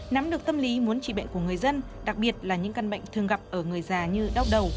nắm được tâm lý muốn trị bệnh của người dân đặc biệt là những căn bệnh thường gặp ở người già như đau đầu